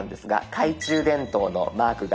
懐中電灯のマークね。